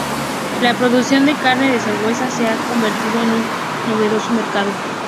La producción de carne de zarigüeya se ha convertido en un novedoso mercado.